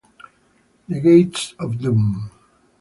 The Gates of Doom